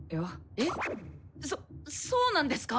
えっそそうなんですか